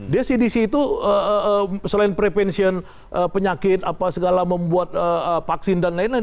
dia cdc itu selain prevention penyakit apa segala membuat vaksin dan lain lain